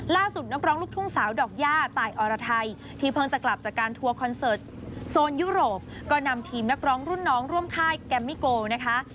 นักร้องลูกทุ่งสาวดอกย่าตายอรไทยที่เพิ่งจะกลับจากการทัวร์คอนเสิร์ตโซนยุโรปก็นำทีมนักร้องรุ่นน้องร่วมค่ายแกมมิโกนะคะ